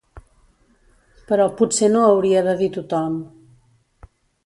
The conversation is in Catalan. Però potser no hauria de dir tothom